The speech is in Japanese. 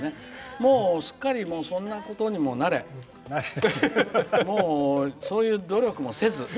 もうすっかりそんなことにも慣れもう、そういう努力もせず。